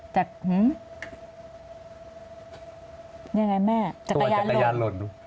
ยังไงแม่จักรยานโรน